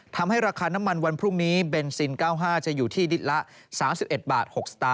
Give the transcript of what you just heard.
ทำให้ราคาน้ำมันวันพรุ่งนี้เบนซิน๙๕จะอยู่ที่ลิตรละ๓๑บาท๖สตาง